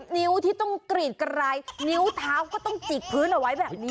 นิ้วที่ต้องกรีดกระไรนิ้วเท้าก็ต้องจิกพื้นเอาไว้แบบนี้